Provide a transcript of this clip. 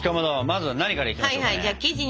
まずは何からいきましょうかね？